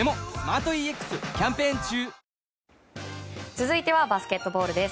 続いてはバスケットボールです。